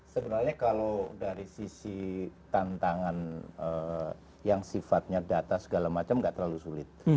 sebenarnya kalau dari sisi tantangan yang sifatnya data segala macam gak terlalu sulit